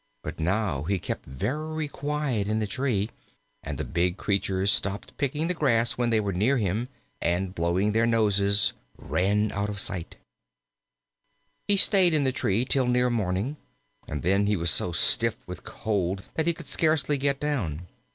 But now he kept very quiet in the tree, and the big creatures stopped picking the grass when they were near him, and blowing their noses, ran out of sight. He stayed in the tree till near morning, and then he was so stiff with cold that he could scarcely get down.